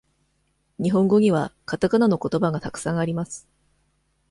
日本語にはかたかなのことばがたくさんあります。